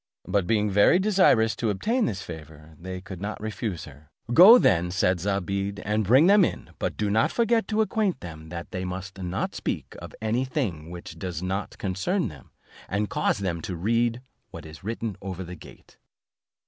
But being very desirous to obtain this favour, they could not refuse her; "Go then," said Zobeide, "and bring them in, but do not forget to acquaint them that they must not speak of any thing which does not concern them, and cause them to read what is written over the gate."